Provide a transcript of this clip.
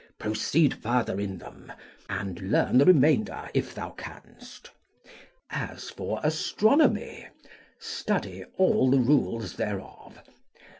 Proceed further in them, and learn the remainder if thou canst. As for astronomy, study all the rules thereof.